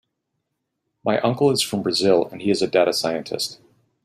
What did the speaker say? My uncle is from Brazil and he is a data scientist.